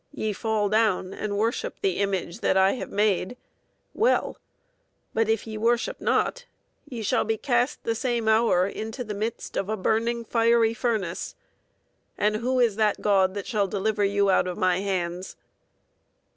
. ye fall down and worship the image that I have made; well: but if ye worship not, ye shall be cast the same hour into the midst of a burning fiery furnace; and who is that God that shall deliver you out of my hands?